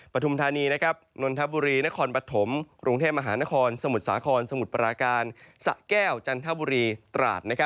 ปฐุมธานีนนทบุรีนครปฐมกรุงเทพมหานครสมุทรสาครสมุทรปราการสะแก้วจันทบุรีตราด